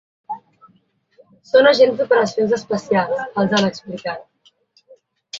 Són agents d’operacions especials, els han explicat.